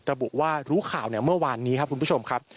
ระบุว่ารู้ข่าวเมื่อวานนี้ครับคุณผู้ชมครับ